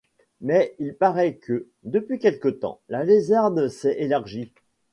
Mais il paraît que, depuis quelque temps, la lézarde s’est élargie!